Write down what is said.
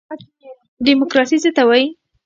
دیموکراسي څه ته وایي؟